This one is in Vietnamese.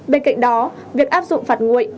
bên cạnh đó việc áp dụng phạt nguội